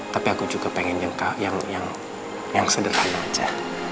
tapi aku juga pengen yang sederhana aja